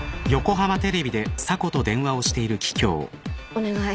お願い。